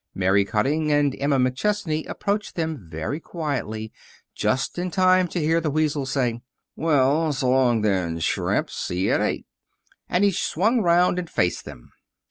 Mary Cutting and Emma McChesney approached them very quietly just in time to hear the weasel say: "Well, s' long then, Shrimp. See you at eight." And he swung around and faced them.